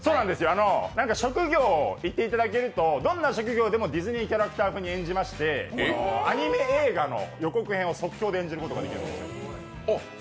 職業を言っていただけるとどんな職業でもディズニーキャラクター風に演じまして、アニメ映画の予告編を即興で演じることができます。